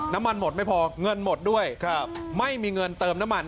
น้ำมันหมดไม่พอเงินหมดด้วยไม่มีเงินเติมน้ำมัน